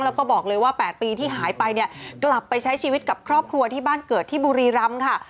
แล้วก็บอกเลยว่า๘ปีที่หายไปเนี่ยกลับไปใช้ชีวิตกับครอบครัวที่บ้านเกิดที่บุรีรำค่ะ